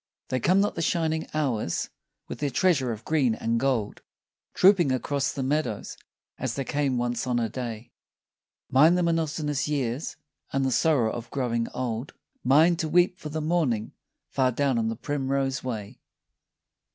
101 REGRET They come not the shining hours, with their trea sure of green and of gold, Trooping across the meadows, as they came once on a day ; Mine the monotonous years and the sorrow of growing old, Mine to weep for the morning, far down on the primrose way.